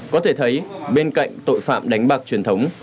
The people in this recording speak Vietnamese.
có thể thấy bên cạnh tội phạm đánh bạc truyền thống